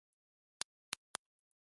たくさん食べる